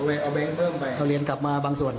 เอาแบงค์เพิ่มไปเอาเหรียญกลับมาบางส่วน